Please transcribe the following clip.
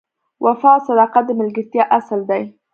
وفا او صداقت د ملګرتیا اصل دی.